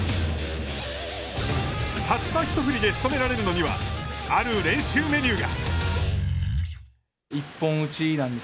たった一振りでしとめられるのには、ある練習メニューが。